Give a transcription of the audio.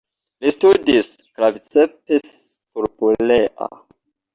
Li studis "Claviceps purpurea".